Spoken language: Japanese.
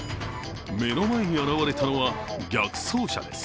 目の前に現れたのは逆走車です。